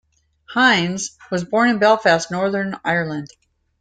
Hinds was born in Belfast, Northern Ireland.